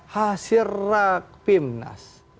hasil rak pimnas